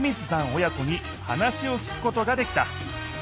親子に話を聞くことができた。